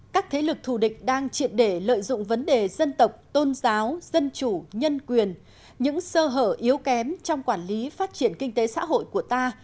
các thế lực thù địch đang triệt để lợi dụng vấn đề dân tộc tôn giáo dân chủ nhân quyền những sơ hở yếu kém trong quản lý phát triển kinh tế xã hội của ta